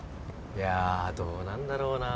いやどうなんだろうな